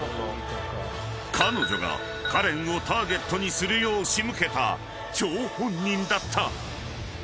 ［彼女がカレンをターゲットにするようしむけた張本人だった］